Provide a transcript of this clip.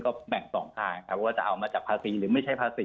ก็แบ่ง๒ทางครับว่าจะเอามาจากภาษีหรือไม่ใช่ภาษี